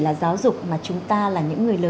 là giáo dục mà chúng ta là những người lớn